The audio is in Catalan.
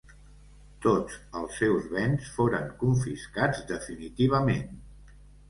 Tots els seus béns foren confiscats definitivament.